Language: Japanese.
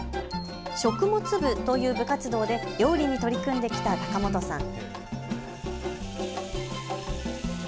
食物部という部活動で料理に取り組んできた高本さん。